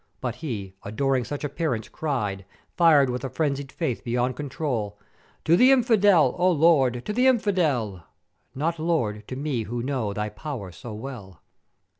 But he, adoring such appearance, cried, fired with a phrenzied faith beyond control: 'To th' Infidel, O Lord! to th' Infidel: Not, Lord, to me who know Thy pow'er so well.'